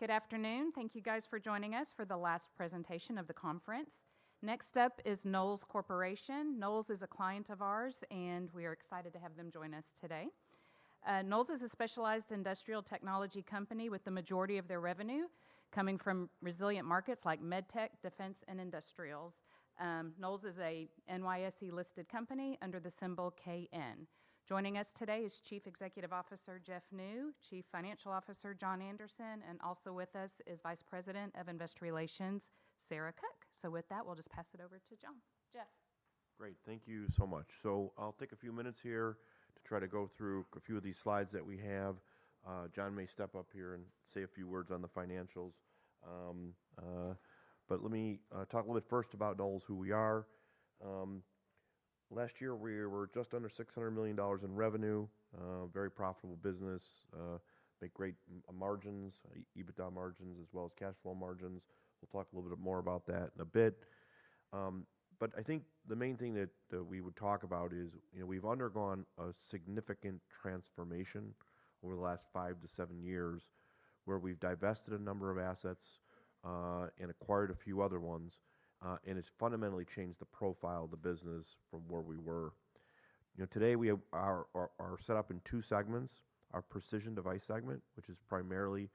All right. Good afternoon. Thank you guys for joining us for the last presentation of the conference. Next up is Knowles Corporation. Knowles is a client of ours, and we are excited to have them join us today. Knowles is a specialized industrial technology company with the majority of their revenue coming from resilient markets like MedTech, defense, and industrials. Knowles is a NYSE-listed company under the symbol KN. Joining us today is Chief Executive Officer, Jeff Niew, Chief Financial Officer, John Anderson, and also with us is Vice President of Investor Relations, Sarah Cook. With that, we'll just pass it over to John. Jeff. Great. Thank you so much. I'll take a few minutes here to try to go through a few of these slides that we have. John may step up here and say a few words on the financials. Let me talk a little bit first about Knowles, who we are. Last year, we were just under $600 million in revenue. Very profitable business. Make great margins, EBITDA margins, as well as cash flow margins. We'll talk a little bit more about that in a bit. I think the main thing that we would talk about is, we've undergone a significant transformation over the last five to seven years, where we've divested a number of assets, and acquired a few other ones. It's fundamentally changed the profile of the business from where we were. Today, we are set up in two segments. Our Precision Devices segment, which is primarily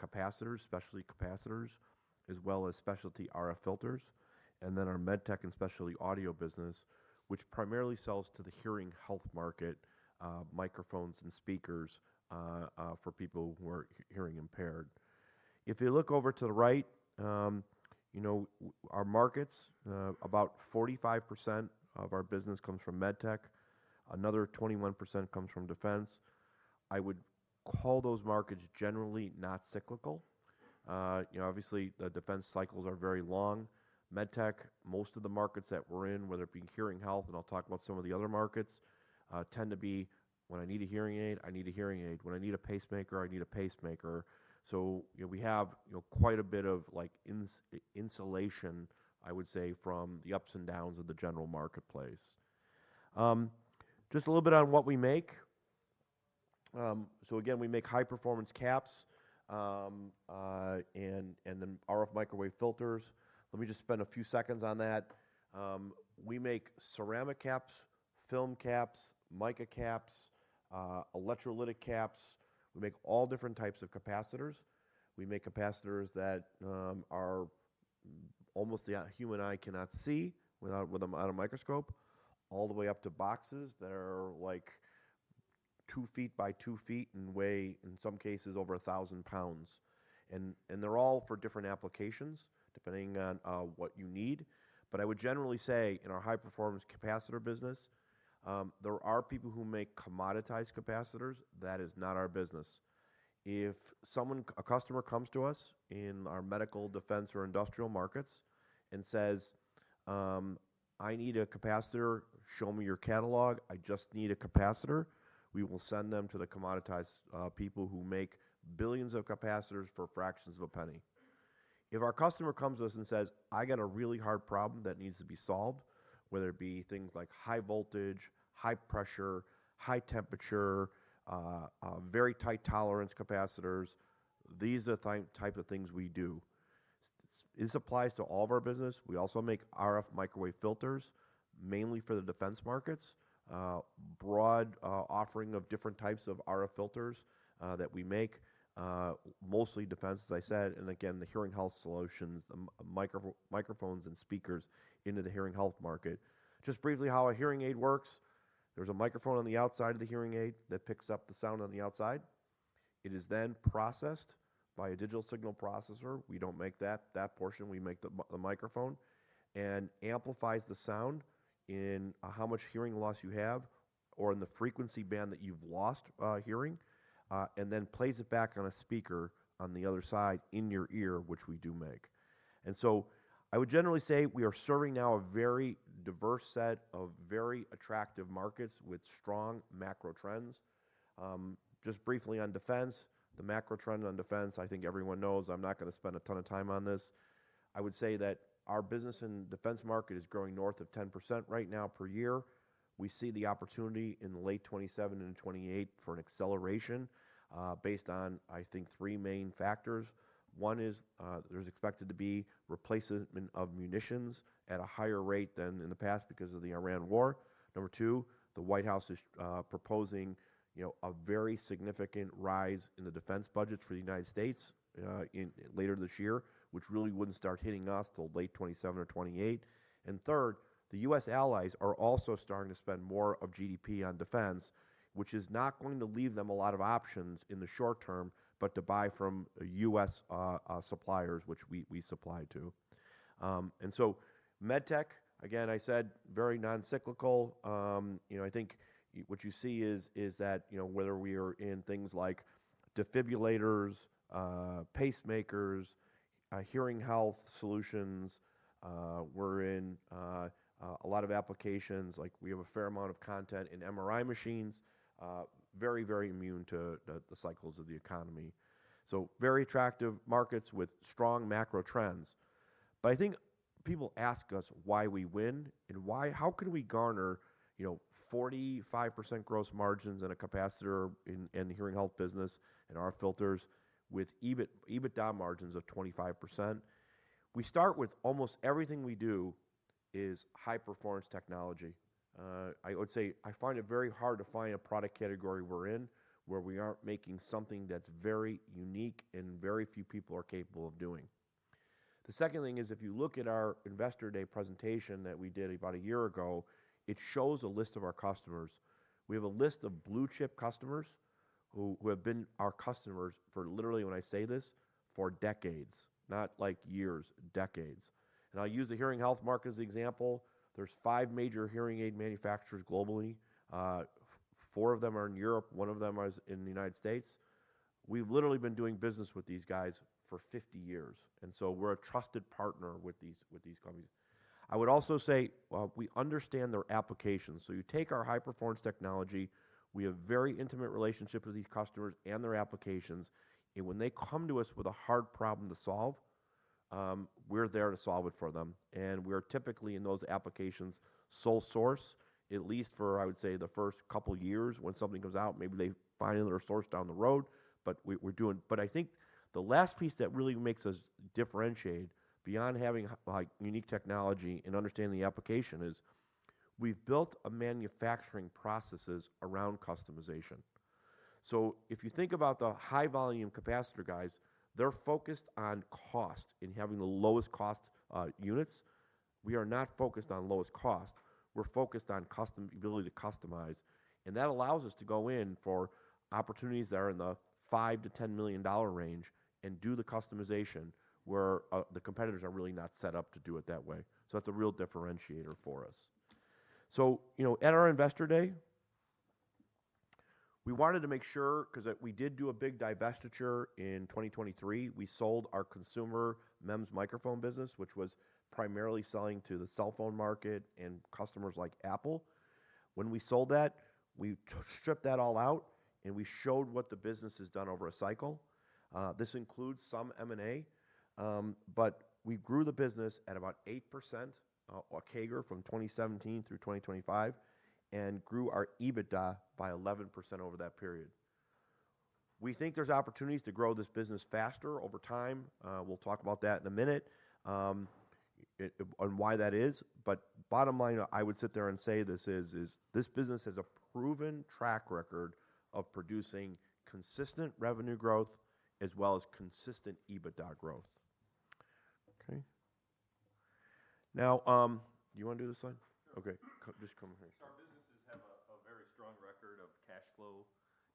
capacitors, specialty capacitors, as well as specialty RF filters, and then our MedTech & Specialty Audio business, which primarily sells to the hearing health market, microphones and speakers, for people who are hearing impaired. If you look over to the right, our markets, about 45% of our business comes from MedTech, another 21% comes from defense. I would call those markets generally not cyclical. Obviously, the defense cycles are very long. MedTech, most of the markets that we're in, whether it be hearing health, and I'll talk about some of the other markets, tend to be, when I need a hearing aid, I need a hearing aid. When I need a pacemaker, I need a pacemaker. We have quite a bit of insulation, I would say, from the ups and downs of the general marketplace. Just a little bit on what we make. Again, we make high-performance caps, and then RF microwave filters. Let me just spend a few seconds on that. We make ceramic caps, film caps, mica caps, electrolytic caps. We make all different types of capacitors. We make capacitors that are almost the human eye cannot see without a microscope, all the way up to boxes that are two feet by two feet and weigh, in some cases, over 1,000 pounds. They're all for different applications depending on what you need. I would generally say in our high-performance capacitor business, there are people who make commoditized capacitors. That is not our business. If a customer comes to us in our medical, defense, or industrial markets and says, "I need a capacitor. Show me your catalog. I just need a capacitor," we will send them to the commoditized people who make billions of capacitors for fractions of a penny. If our customer comes to us and says, "I got a really hard problem that needs to be solved," whether it be things like high voltage, high pressure, high temperature, very tight tolerance capacitors, these are the type of things we do. This applies to all of our business. We also make RF microwave filters, mainly for the defense markets. Broad offering of different types of RF filters that we make. Mostly defense, as I said, and again, the hearing health solutions, microphones and speakers into the hearing health market. Just briefly how a hearing aid works. There's a microphone on the outside of the hearing aid that picks up the sound on the outside. It is then processed by a digital signal processor. We don't make that portion. We make the microphone. It amplifies the sound in how much hearing loss you have or in the frequency band that you've lost hearing, and then plays it back on a speaker on the other side in your ear, which we do make. I would generally say we are serving now a very diverse set of very attractive markets with strong macro trends. Just briefly on defense, the macro trend on defense, I think everyone knows, I'm not going to spend a ton of time on this. I would say that our business in defense market is growing north of 10% right now per year. We see the opportunity in late 2027 and 2028 for an acceleration, based on, I think, three main factors. One is, there's expected to be replacement of munitions at a higher rate than in the past because of the Ukraine war. Number two, the White House is proposing a very significant rise in the defense budget for the U.S. later this year, which really wouldn't start hitting us till late 2027 or 2028. Third, the U.S. allies are also starting to spend more of GDP on defense, which is not going to leave them a lot of options in the short term, but to buy from U.S. suppliers, which we supply to. MedTech, again, I said very non-cyclical. I think what you see is that whether we are in things like defibrillators, pacemakers, hearing health solutions, we're in a lot of applications. We have a fair amount of content in MRI machines. Very immune to the cycles of the economy. Very attractive markets with strong macro trends. But I think people ask us why we win and how can we garner 45% gross margins in a capacitor in the hearing health business, in our filters with EBITDA margins of 25%. We start with almost everything we do is high-performance technology. I would say I find it very hard to find a product category we're in where we aren't making something that's very unique and very few people are capable of doing. The second thing is, if you look at our investor day presentation that we did about a year ago, it shows a list of our customers. We have a list of blue-chip customers who have been our customers for literally, when I say this, for decades. Not years, decades. I'll use the hearing health market as an example. There's five major hearing aid manufacturers globally. Four of them are in Europe, one of them is in the U.S. We've literally been doing business with these guys for 50 years. We're a trusted partner with these companies. I would also say, we understand their applications. You take our high-performance technology, we have very intimate relationship with these customers and their applications, and when they come to us with a hard problem to solve, we're there to solve it for them. We are typically, in those applications, sole source, at least for, I would say, the first couple of years when something comes out. Maybe they find another source down the road. I think the last piece that really makes us differentiate, beyond having unique technology and understanding the application, is we've built manufacturing processes around customization. If you think about the high-volume capacitor guys, they're focused on cost and having the lowest cost units. We are not focused on lowest cost. We're focused on ability to customize, and that allows us to go in for opportunities that are in the $5 million to $10 million range and do the customization, where the competitors are really not set up to do it that way. That's a real differentiator for us. At our investor day, we wanted to make sure, because we did do a big divestiture in 2023. We sold our Consumer MEMS Microphone business, which was primarily selling to the cell phone market and customers like Apple. When we sold that, we stripped that all out. We showed what the business has done over a cycle. This includes some M&A. We grew the business at about 8%, or CAGR, from 2017 through 2025 and grew our EBITDA by 11% over that period. We think there's opportunities to grow this business faster over time. We'll talk about that in a minute, on why that is. Bottom line, I would sit there and say this business has a proven track record of producing consistent revenue growth as well as consistent EBITDA growth. Okay. You want to do this slide? Sure. Okay. Just come over here. Our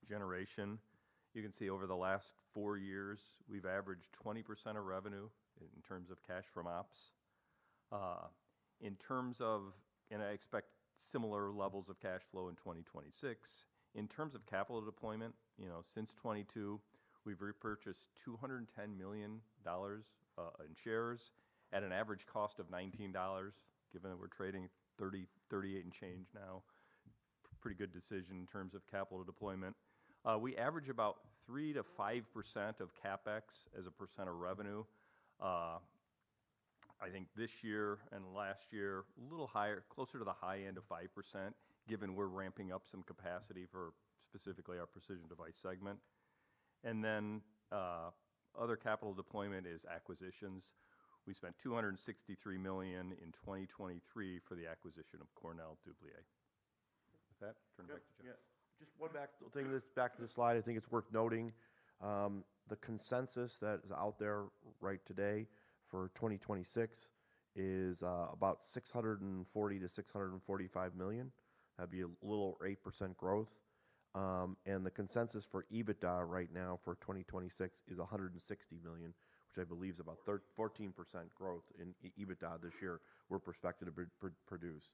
businesses have a very strong record of cash flow generation. You can see over the last four years, we've averaged 20% of revenue in terms of cash from ops. I expect similar levels of cash flow in 2026. In terms of capital deployment, since 2022, we've repurchased $210 million in shares at an average cost of $19, given that we're trading $30.38 and change now. Pretty good decision in terms of capital deployment. We average about 3%-5% of CapEx as a percent of revenue. I think this year and last year, a little higher, closer to the high end of 5%, given we're ramping up some capacity for specifically our Precision Devices segment. Other capital deployment is acquisitions. We spent $263 million in 2023 for the acquisition of Cornell Dubilier. With that, turn it back to Jeff. Just one back thing, back to this slide. I think it's worth noting, the consensus that is out there right today for 2026 is about $640 million-$645 million. That'd be a little over 8% growth. The consensus for EBITDA right now for 2026 is $160 million, which I believe is about 14% growth in EBITDA this year we're prospective to produce.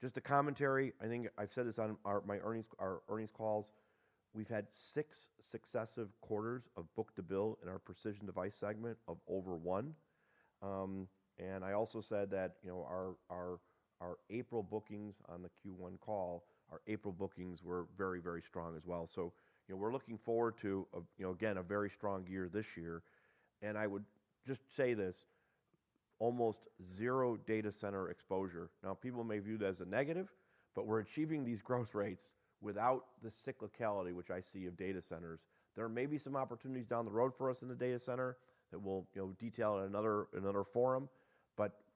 Just a commentary, I think I've said this on our earnings calls. We've had six successive quarters of book-to-bill in our Precision Devices segment of over one. I also said that our April bookings on the Q1 call, our April bookings were very strong as well. We're looking forward to, again, a very strong year this year. I would just say this, almost zero data center exposure. People may view that as a negative, we're achieving these growth rates without the cyclicality, which I see of data centers. There may be some opportunities down the road for us in the data center that we'll detail in another forum.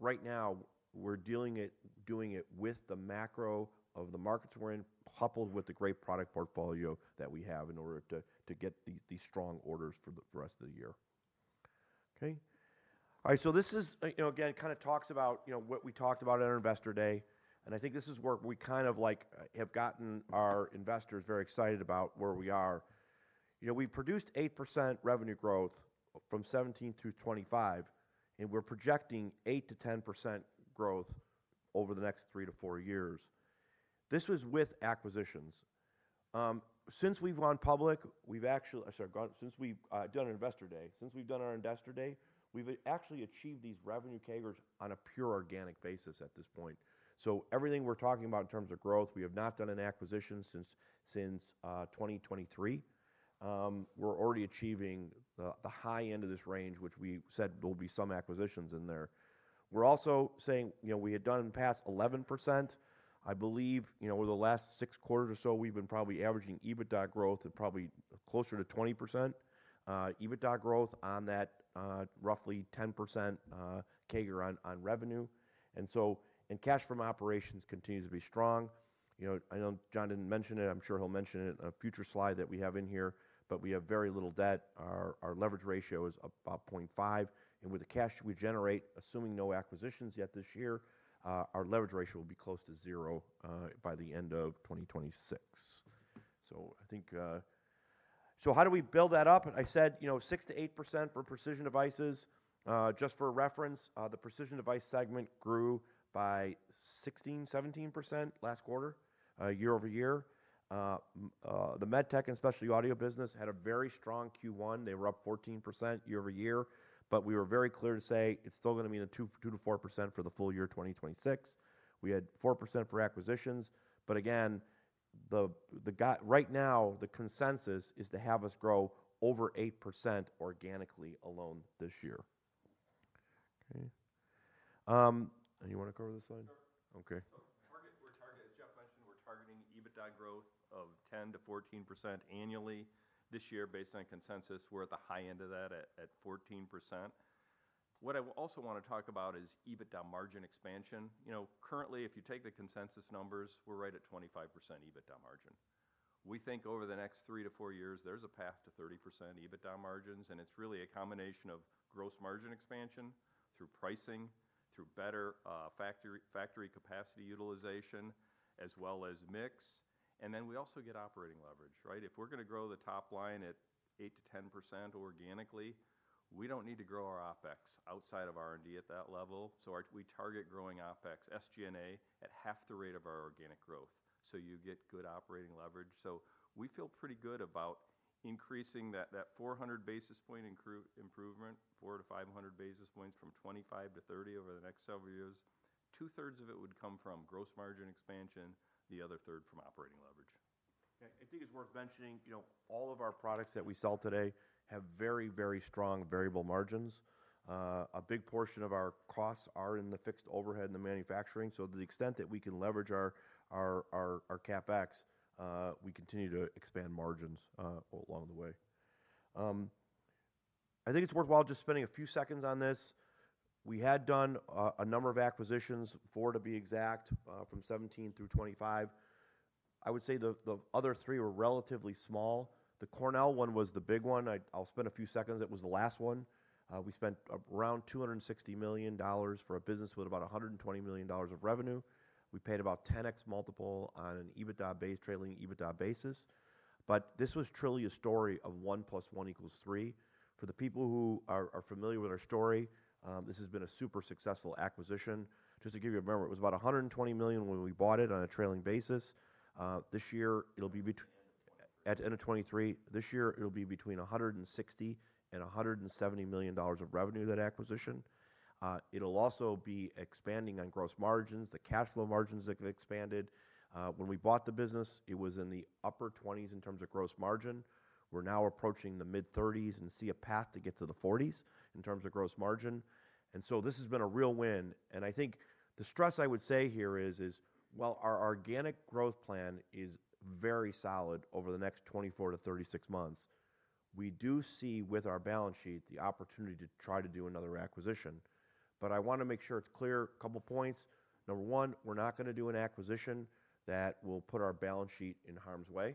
Right now, we're doing it with the macro of the markets we're in, coupled with the great product portfolio that we have in order to get these strong orders for the rest of the year. This, again, kind of talks about what we talked about at our Investor Day, and I think this is where we kind of have gotten our investors very excited about where we are. We produced 8% revenue growth from 2017 through 2025, and we're projecting 8%-10% growth over the next three to four years. This was with acquisitions. Since we've gone public, I'm sorry. Since we've done our Investor Day, we've actually achieved these revenue CAGRs on a pure organic basis at this point. Everything we're talking about in terms of growth, we have not done an acquisition since 2023. We're already achieving the high end of this range, which we said there will be some acquisitions in there. We're also saying we had done in the past 11%, I believe, over the last six quarters or so, we've been averaging EBITDA growth at closer to 20% EBITDA growth on that roughly 10% CAGR on revenue. Cash from operations continues to be strong. I know John didn't mention it, I'm sure he'll mention it in a future slide that we have in here, we have very little debt. Our leverage ratio is about 0.5, and with the cash we generate, assuming no acquisitions yet this year, our leverage ratio will be close to zero by the end of 2026. How do we build that up? I said 6%-8% for Precision Devices. Just for reference, the Precision Devices segment grew by 16%-17% last quarter, year-over-year. The MedTech & Specialty Audio business had a very strong Q1. They were up 14% year-over-year. We were very clear to say it's still going to be in the 2%-4% for the full year 2026. We had 4% for acquisitions, again, right now the consensus is to have us grow over 8% organically alone this year. Okay. You want to cover this slide? Sure. Okay. As Jeff mentioned, we're targeting EBITDA growth of 10%-14% annually this year based on consensus. We're at the high end of that at 14%. What I also want to talk about is EBITDA margin expansion. Currently, if you take the consensus numbers, we're right at 25% EBITDA margin. We think over the next 3-4 years, there's a path to 30% EBITDA margins, it's really a combination of gross margin expansion through pricing, through better factory capacity utilization, as well as mix. We also get operating leverage, right? If we're going to grow the top line at 8%-10% organically, we don't need to grow our OPEX outside of R&D at that level. We target growing OPEX, SG&A at half the rate of our organic growth, so you get good operating leverage. We feel pretty good about increasing that 400 basis point improvement, 400-500 basis points from 25%-30% over the next several years. 2/3 of it would come from gross margin expansion, the other third from operating leverage. Okay. I think it's worth mentioning, all of our products that we sell today have very, very strong variable margins. A big portion of our costs are in the fixed overhead, in the manufacturing. To the extent that we can leverage our CapEx, we continue to expand margins along the way. I think it's worthwhile just spending a few seconds on this. We had done a number of acquisitions, four to be exact, from 2017 through 2025. I would say the other three were relatively small. The Cornell one was the big one. I'll spend a few seconds. It was the last one. We spent around $260 million for a business with about $120 million of revenue. We paid about 10x multiple on an trailing EBITDA basis. This was truly a story of one plus one equals three. For the people who are familiar with our story, this has been a super successful acquisition. Just to give you a remember, it was about $120 million when we bought it on a trailing basis. At the end of 2023, this year, it'll be between $160 and $170 million of revenue, that acquisition. It'll also be expanding on gross margins. The cash flow margins expanded. When we bought the business, it was in the upper 20s in terms of gross margin. We're now approaching the mid-30s and see a path to get to the 40s in terms of gross margin. This has been a real win, and I think the stress I would say here is while our organic growth plan is very solid over the next 24 to 36 months, we do see with our balance sheet the opportunity to try to do another acquisition. I want to make sure it's clear. Couple points. Number one, we're not going to do an acquisition that will put our balance sheet in harm's way.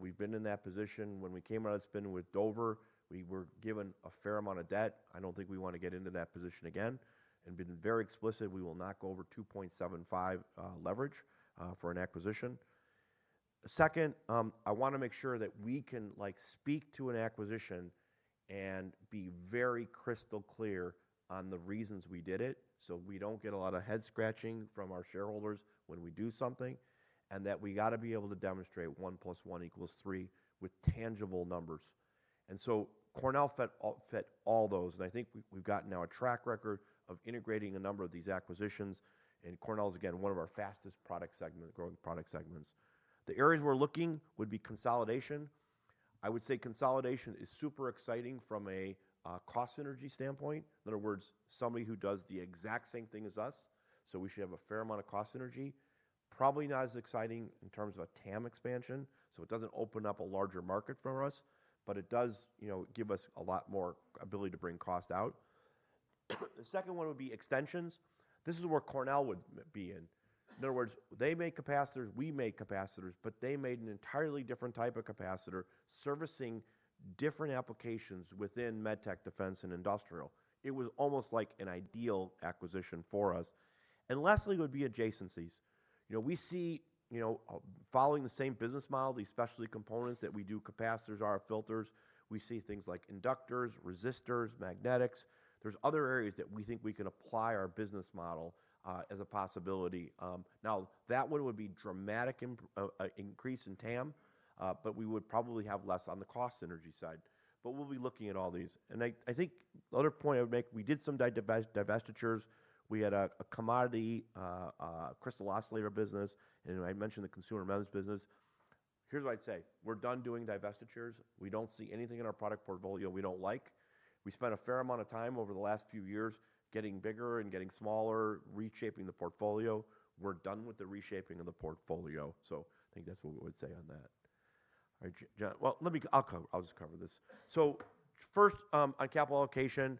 We've been in that position. When we came out of spin with Dover, we were given a fair amount of debt. I don't think we want to get into that position again, and been very explicit, we will not go over 2.75 leverage for an acquisition. Second, I want to make sure that we can speak to an acquisition and be very crystal clear on the reasons we did it, so we don't get a lot of head-scratching from our shareholders when we do something, and that we got to be able to demonstrate one plus one equals three with tangible numbers. Cornell fit all those, and I think we've got now a track record of integrating a number of these acquisitions, and Cornell is, again, one of our fastest growing product segments. The areas we're looking would be consolidation. I would say consolidation is super exciting from a cost synergy standpoint. In other words, somebody who does the exact same thing as us, so we should have a fair amount of cost synergy. Probably not as exciting in terms of a TAM expansion, so it doesn't open up a larger market for us, but it does give us a lot more ability to bring cost out. The second one would be extensions. This is where Cornell would be in. In other words, they make capacitors, we make capacitors, but they made an entirely different type of capacitor servicing different applications within MedTech, defense, and industrial. It was almost like an ideal acquisition for us. Lastly, would be adjacencies. We see, following the same business model, the specialty components that we do, capacitors, RF filters. We see things like inductors, resistors, magnetics. There's other areas that we think we can apply our business model as a possibility. That one would be dramatic increase in TAM, but we would probably have less on the cost synergy side, but we'll be looking at all these. I think the other point I would make, we did some divestitures. We had a commodity crystal oscillator business, and I mentioned the Consumer MEMS business. Here's what I'd say. We're done doing divestitures. We don't see anything in our product portfolio we don't like. We spent a fair amount of time over the last few years getting bigger and getting smaller, reshaping the portfolio. We're done with the reshaping of the portfolio. I think that's what we would say on that. On capital allocation,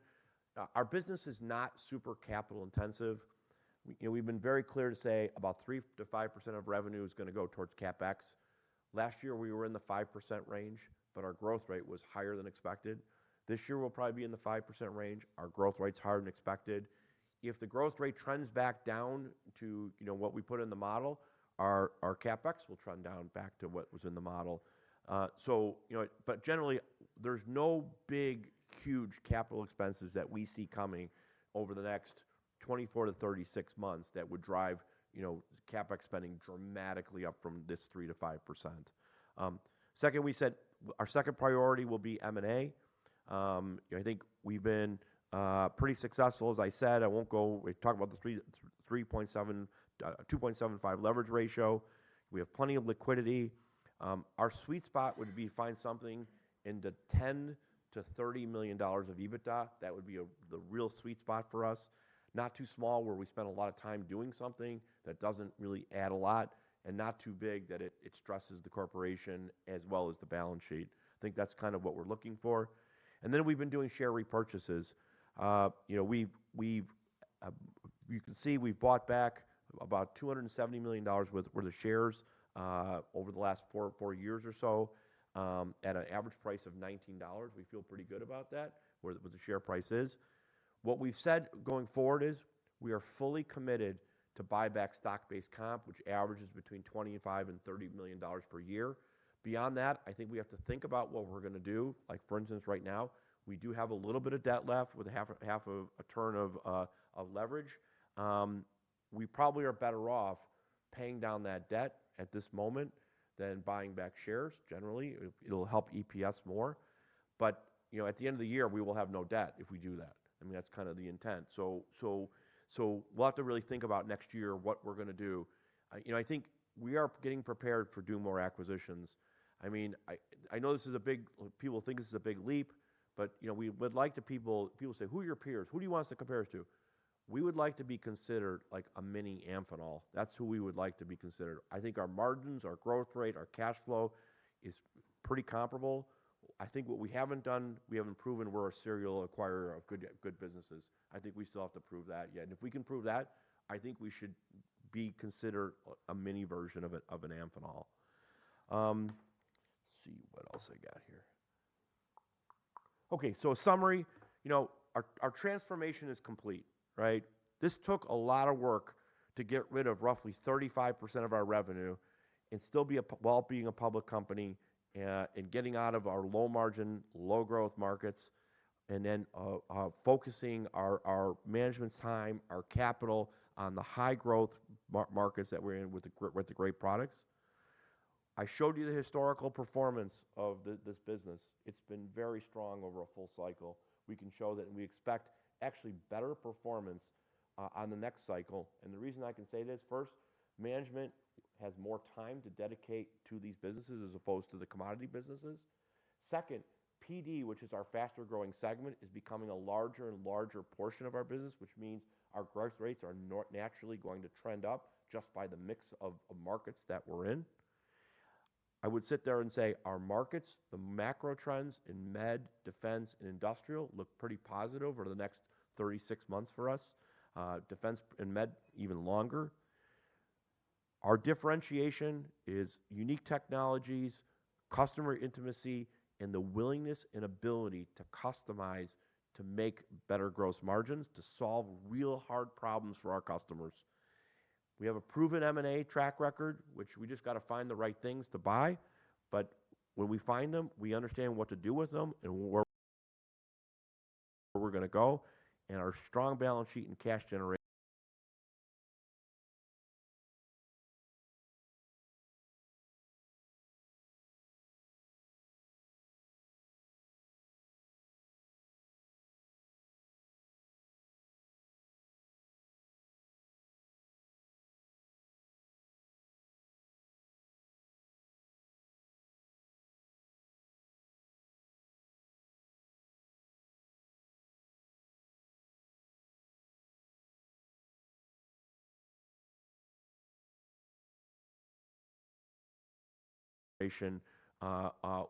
our business is not super capital intensive. We've been very clear to say about 3%-5% of revenue is going to go towards CapEx. Last year, we were in the 5% range, but our growth rate was higher than expected. This year, we'll probably be in the 5% range. Our growth rate's higher than expected. If the growth rate trends back down to what we put in the model, our CapEx will trend down back to what was in the model. Generally, there's no big, huge capital expenses that we see coming over the next 24-36 months that would drive CapEx spending dramatically up from this 3%-5%. We said our second priority will be M&A. I think we've been pretty successful. As I said, we talked about the 2.75 leverage ratio. We have plenty of liquidity. Our sweet spot would be find something in the $10 million-$30 million of EBITDA. That would be the real sweet spot for us. Not too small, where we spend a lot of time doing something that doesn't really add a lot, and not too big that it stresses the corporation as well as the balance sheet. I think that's kind of what we're looking for. We've been doing share repurchases. You can see we've bought back about $270 million worth of shares over the last four years or so, at an average price of $19. We feel pretty good about that, where the share price is. What we've said going forward is we are fully committed to buy back stock-based comp, which averages between $25 million and $30 million per year. Beyond that, I think we have to think about what we're going to do. Like for instance, right now, we do have a little bit of debt left with a half of a turn of leverage. We probably are better off paying down that debt at this moment than buying back shares. Generally, it'll help EPS more. At the end of the year, we will have no debt if we do that. That's kind of the intent. We'll have to really think about next year, what we're going to do. I think we are getting prepared for doing more acquisitions. I know people think this is a big leap, but we would like people say, "Who are your peers? Who do you want us to compare us to?" We would like to be considered like a mini Amphenol. That's who we would like to be considered. I think our margins, our growth rate, our cash flow is pretty comparable. I think what we haven't done, we haven't proven we're a serial acquirer of good businesses. I think we still have to prove that yet. If we can prove that, I think we should be considered a mini version of an Amphenol. Let's see what else I got here. Summary. Our transformation is complete. This took a lot of work to get rid of roughly 35% of our revenue and still while being a public company, and getting out of our low margin, low growth markets, and then focusing our management's time, our capital on the high growth markets that we're in with the great products. I showed you the historical performance of this business. It's been very strong over a full cycle. We can show that. We expect actually better performance on the next cycle. The reason I can say this, first, management has more time to dedicate to these businesses as opposed to the commodity businesses. Second, PD, which is our faster growing segment, is becoming a larger and larger portion of our business, which means our growth rates are naturally going to trend up just by the mix of markets that we're in. I would sit there and say our markets, the macro trends in med, defense, and industrial look pretty positive over the next 36 months for us. Defense and med, even longer. Our differentiation is unique technologies, customer intimacy, and the willingness and ability to customize to make better gross margins to solve real hard problems for our customers. We have a proven M&A track record, which we just got to find the right things to buy. When we find them, we understand what to do with them, where we're going to go, and our strong balance sheet and cash generation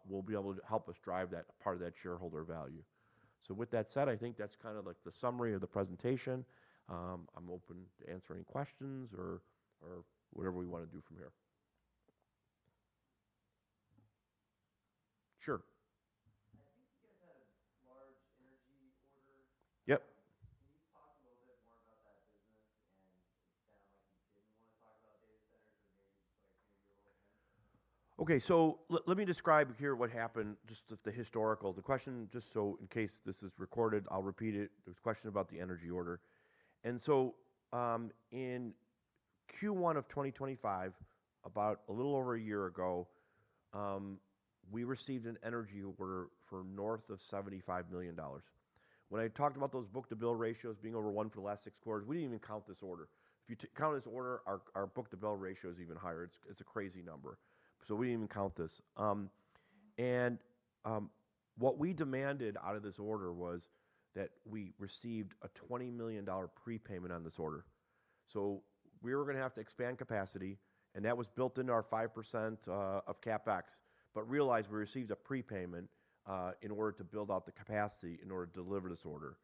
will be able to help us drive that part of that shareholder value. With that said, I think that's kind of the summary of the presentation. I'm open to answer any questions or whatever we want to do from here. Sure. I think you guys had a large energy order. Yep. Can you talk a little bit more about that business and it sound like you didn't want to talk about data centers or maybe just like maybe a little mention. Okay. Let me describe here what happened, just the historical. The question, just so in case this is recorded, I'll repeat it. There was a question about the energy order. In Q1 2025, about a little over a year ago, we received an energy order for north of $75 million. When I talked about those book-to-bill ratios being over 1 for the last 6 quarters, we didn't even count this order. If you count this order, our book-to-bill ratio is even higher. It's a crazy number. We didn't even count this. What we demanded out of this order was that we received a $20 million prepayment on this order. We were going to have to expand capacity, and that was built into our 5% of CapEx, but realized we received a prepayment, in order to build out the capacity in order to deliver this order.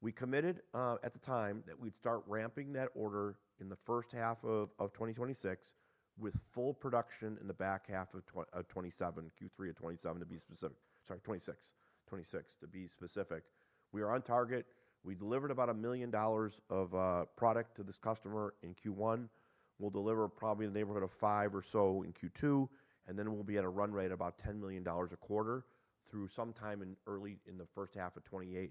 We committed, at the time, that we'd start ramping that order in the first half of 2026 with full production in the back half of 2027, Q3 2027 to be specific. Sorry, 2026. 2026 to be specific. We are on target. We delivered about $1 million of product to this customer in Q1. We'll deliver probably in the neighborhood of 5 or so in Q2, and then we'll be at a run rate of about $10 million a quarter through sometime in early in the first half of 2028.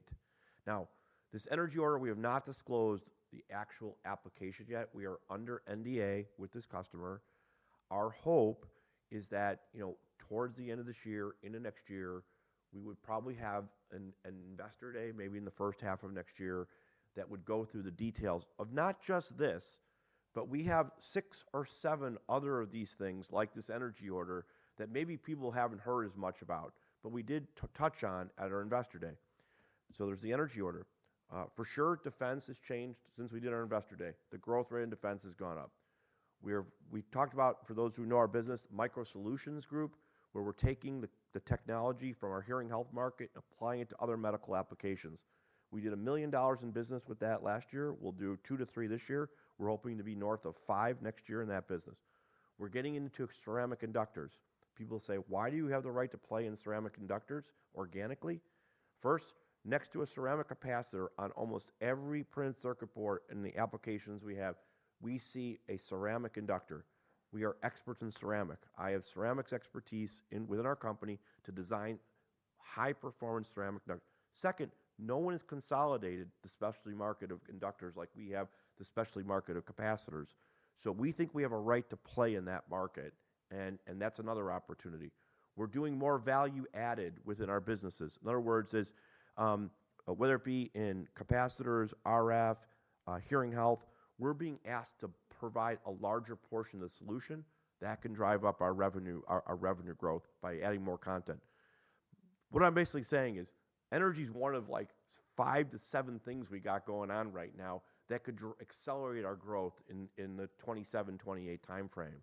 This energy order, we have not disclosed the actual application yet. We are under NDA with this customer. Our hope is that towards the end of this year, into next year, we would probably have an investor day maybe in the first half of next year that would go through the details of not just this, but we have 6 or 7 other of these things like this energy order that maybe people haven't heard as much about, but we did touch on at our investor day. There's the energy order. For sure, defense has changed since we did our investor day. The growth rate in defense has gone up. We talked about, for those who know our business, Micro Solutions Group, where we're taking the technology from our hearing health market and applying it to other medical applications. We did $1 million in business with that last year. We'll do two to three this year. We're hoping to be north of five next year in that business. We're getting into ceramic inductors. People say, "Why do you have the right to play in ceramic inductors organically?" First, next to a ceramic capacitor on almost every printed circuit board in the applications we have, we see a ceramic inductor. We are experts in ceramic. I have ceramics expertise within our company to design high-performance ceramic inductors. Second, no one has consolidated the specialty market of inductors like we have the specialty market of capacitors. We think we have a right to play in that market, and that's another opportunity. We're doing more value-added within our businesses. In other words, whether it be in capacitors, RF, hearing health, we're being asked to provide a larger portion of the solution that can drive up our revenue growth by adding more content. What I'm basically saying is energy's one of five to seven things we got going on right now that could accelerate our growth in the 2027, 2028 timeframe.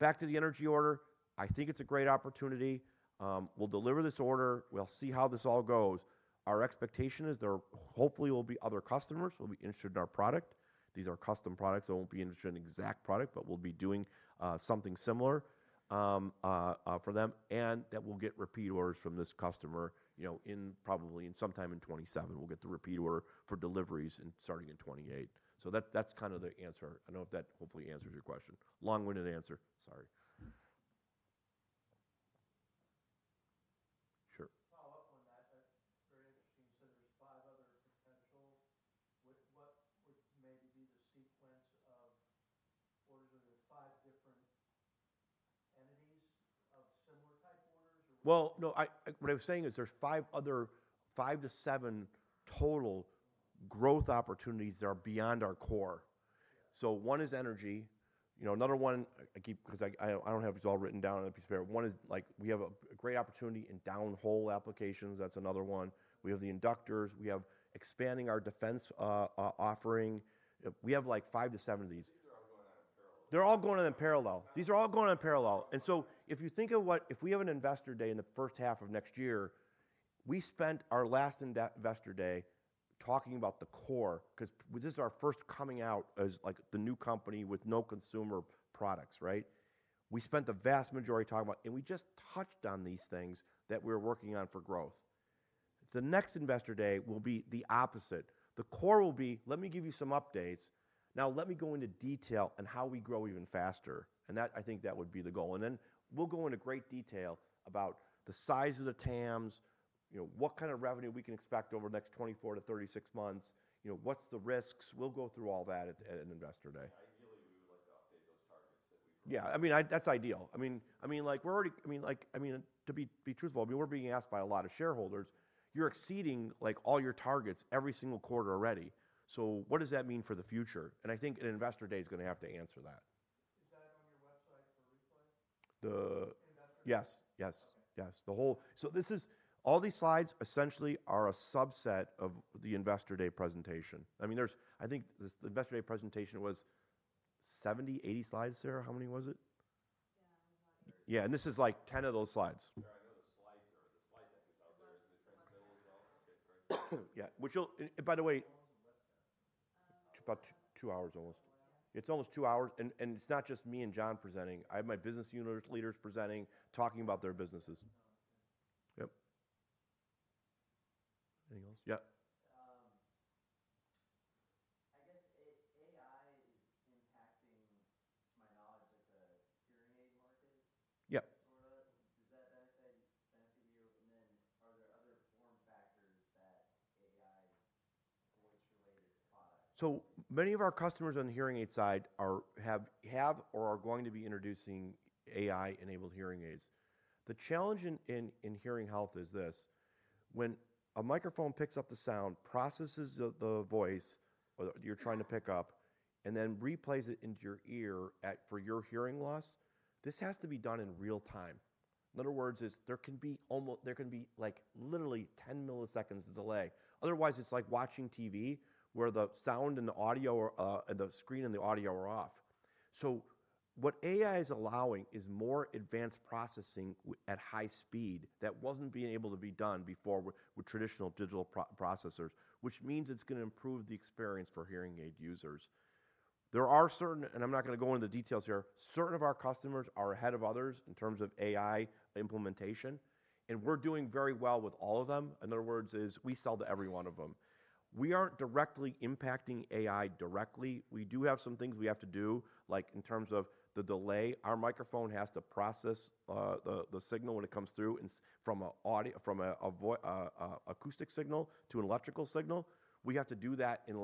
Back to the energy order, I think it's a great opportunity. We'll deliver this order. We'll see how this all goes. Our expectation is there hopefully will be other customers who will be interested in our product. These are custom products, they won't be interested in an exact product, but we'll be doing something similar for them, and that we'll get repeat orders from this customer probably sometime in 2027. We'll get the repeat order for deliveries starting in 2028. That's kind of the answer. I don't know if that hopefully answers your question. Long-winded answer. Sorry. Sure. Follow up on that. That's very interesting. You said there's five other potentials. What would maybe be the sequence of orders? Are there five different entities of similar type orders or? Well, no. What I'm saying is there's five to seven total growth opportunities that are beyond our core. Yeah. One is energy. Another one, because I don't have these all written down. To be fair, one is we have a great opportunity in downhole applications. That's another one. We have the inductors. We have expanding our defense offering. We have five to seven of these. They're are all going on in parallel. These are all going on in parallel. If you think of, if we have an investor day in the first half of next year, we spent our last investor day talking about the core because this is our first coming out as the new company with no consumer products, right? We spent the vast majority talking about, and we just touched on these things that we're working on for growth. The next investor day will be the opposite. The core will be, "Let me give you some updates. Now let me go into detail on how we grow even faster." That, I think, that would be the goal. We'll go into great detail about the size of the TAMs, what kind of revenue we can expect over the next 24-36 months. What's the risks? We'll go through all that at an investor day. Ideally, we would like to update those targets that we- Yeah. That's ideal. To be truthful, we're being asked by a lot of shareholders, "You're exceeding all your targets every single quarter already. So what does that mean for the future?" I think an investor day's going to have to answer that. Is that on your website as a replay? The- Investor. Yes. Yes. Okay. Yes. All these slides essentially are a subset of the investor day presentation. I think the investor day presentation was 70, 80 slides, Sarah? How many was it? Yeah. This is like 10 of those slides. Sarah, I know the slides or the slide deck is out there. Is the transcript as well? Yeah. How long is the webinar? It's about two hours almost. Oh, wow. It's almost two hours. It's not just me and John presenting. I have my business unit leaders presenting, talking about their businesses. Yep. Anything else? Yeah. I guess AI is impacting, to my knowledge, like the hearing aid market. Yeah Sort of. Does that benefit you? Are there other form factors that AI? Many of our customers on the hearing aid side have or are going to be introducing AI-enabled hearing aids. The challenge in hearing health is this: when a microphone picks up the sound, processes the voice you're trying to pick up, and then replays it into your ear for your hearing loss, this has to be done in real time. In other words, there can be literally 10 milliseconds of delay. Otherwise, it's like watching TV, where the screen and the audio are off. What AI is allowing is more advanced processing at high speed that wasn't being able to be done before with traditional digital processors, which means it's going to improve the experience for hearing aid users. There are certain, and I'm not going to go into the details here, certain of our customers are ahead of others in terms of AI implementation, and we're doing very well with all of them. In other words, is we sell to every one of them. We aren't directly impacting AI directly. We do have some things we have to do, like in terms of the delay. Our microphone has to process the signal when it comes through from an acoustic signal to an electrical signal. We have to do that in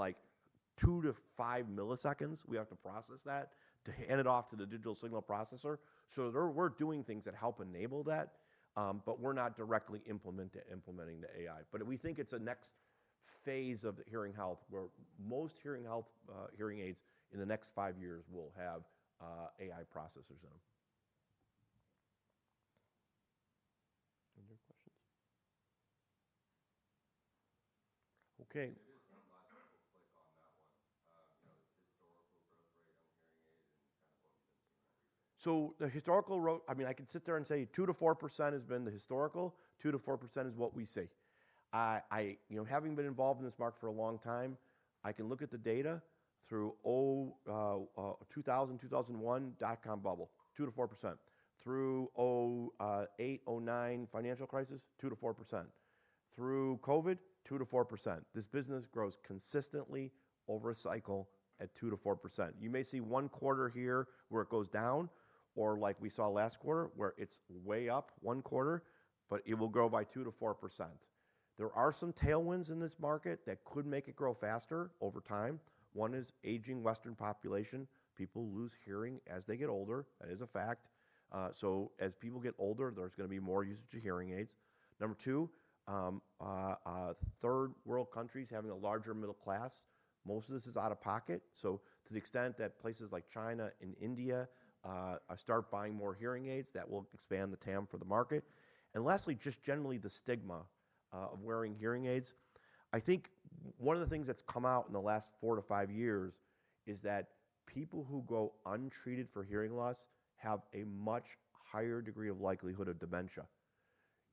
two to five milliseconds. We have to process that to hand it off to the digital signal processor. We're doing things that help enable that, but we're not directly implementing the AI. We think it's a next phase of hearing health, where most hearing aids in the next five years will have AI processors in them. Any other questions? Okay. Maybe just one last little click on that one. Historical growth rate on hearing aids and kind of what we've been seeing recently. The historical growth, I can sit there and say 2%-4% has been the historical. 2%-4% is what we see. Having been involved in this market for a long time, I can look at the data through 2000, 2001 dot-com bubble, 2%-4%. Through 2008, 2009 financial crisis, 2%-4%. Through COVID, 2%-4%. This business grows consistently over a cycle at 2%-4%. You may see one quarter here where it goes down, or like we saw last quarter, where it's way up one quarter, but it will grow by 2%-4%. There are some tailwinds in this market that could make it grow faster over time. One is aging Western population. People lose hearing as they get older. That is a fact. As people get older, there's going to be more usage of hearing aids. Number two, third world countries having a larger middle class. Most of this is out-of-pocket, to the extent that places like China and India start buying more hearing aids, that will expand the TAM for the market. Lastly, just generally the stigma of wearing hearing aids. I think one of the things that's come out in the last four to five years is that people who go untreated for hearing loss have a much higher degree of likelihood of dementia.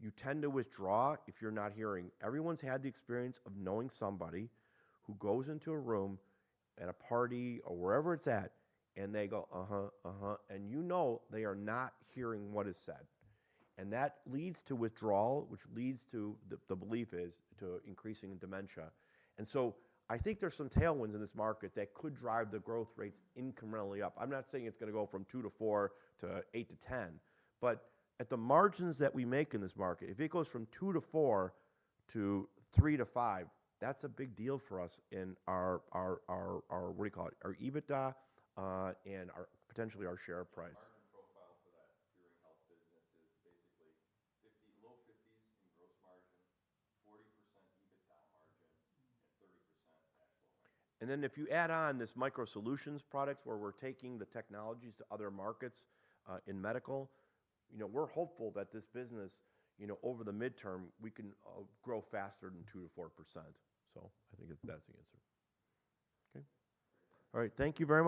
You tend to withdraw if you're not hearing. Everyone's had the experience of knowing somebody who goes into a room at a party or wherever it's at, and they go. You know they are not hearing what is said. That leads to withdrawal, which leads to, the belief is, to increasing dementia. I think there's some tailwinds in this market that could drive the growth rates incrementally up. I'm not saying it's going to go from 2%-4% to 8%-10%, but at the margins that we make in this market, if it goes from 2%-4% to 3%-5%, that's a big deal for us in our EBITDA, potentially our share price. Margin profile for that hearing health business is basically low 50s in gross margin, 40% EBITDA margin and 30%. If you add on this Micro Solutions products, where we're taking the technologies to other markets in medical, we're hopeful that this business, over the midterm, we can grow faster than 2%-4%. I think that's the answer. Okay. All right. Thank you very much